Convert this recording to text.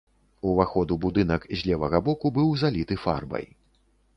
Уваход у будынак з левага боку быў заліты фарбай.